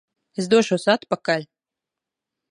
Es došos atpakaļ!